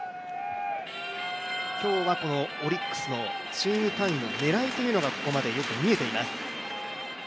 今日はオリックスのチーム単位の狙いというのが見えています。